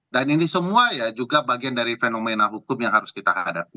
dan ini semua ya juga bagian dari fenomena hukum yang harus kita hadapi